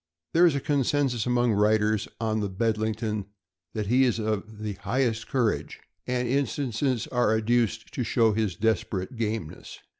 There is a consensus among writers on the Bedlington that he is of the highest courage, and instances are adduced to show his desperate gameness.